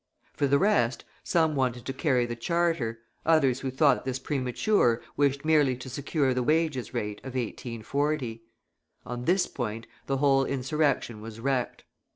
For the rest, some wanted to carry the Charter, others who thought this premature wished merely to secure the wages rate of 1840. On this point the whole insurrection was wrecked.